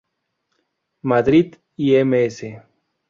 Madrid y ms.